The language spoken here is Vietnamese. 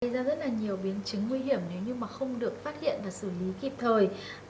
gây ra rất là nhiều biến chứng nguy hiểm nếu như mà không được phát hiện và xử lý kịp thời